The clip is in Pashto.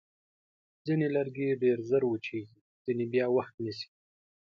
ځینې لرګي ډېر ژر وچېږي، ځینې بیا وخت نیسي.